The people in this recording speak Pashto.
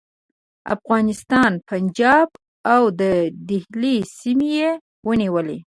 افغانستان، پنجاب او د دهلي سیمې یې ونیولې.